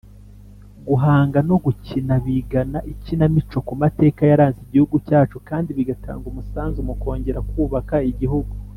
Guhanga no gukina bigana ikinamico ku mateka yaranze igihugu cyacu kandi bigatanga umusanzu mu kongera kubaka igihugu.